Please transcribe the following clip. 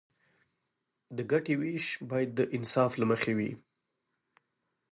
د ګټې ویش باید د انصاف له مخې وي.